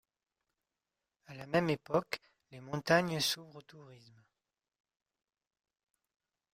À la même époque, les montagnes s’ouvrent au tourisme.